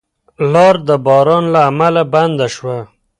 لار د باران له امله بنده شوه.